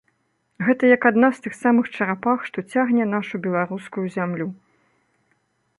Гэта як адна з тых самых чарапах, што цягне нашу беларускую зямлю.